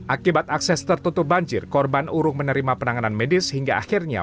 akibat akses tertutup banjir korban urung menerima penanganan medis hingga akhirnya